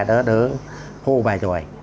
để hô bài tròi